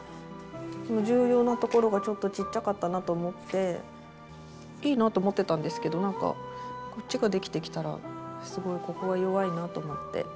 重要なところがちょっとちっちゃかったなと思っていいなと思ってたんですけどなんかこっちができてきたらすごいここが弱いなと思って。